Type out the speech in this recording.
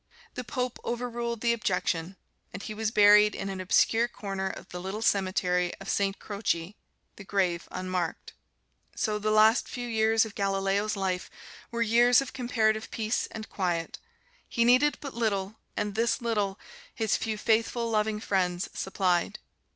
The Pope overruled the objection and he was buried in an obscure corner of the little cemetery of Saint Croce, the grave unmarked. So the last few years of Galileo's life were years of comparative peace and quiet. He needed but little, and this little his few faithful, loving friends supplied.